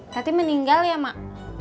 tati meninggal ya mak